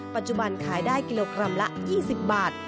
ปัจจุบันขายได้กิโลกรัมละ๒๐บาท